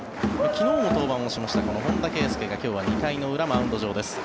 昨日も登板をしました本田圭佑が今日は２回の裏、マウンド場です。